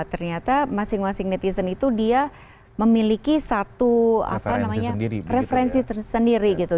ternyata masing masing netizen itu dia memiliki satu referensi sendiri gitu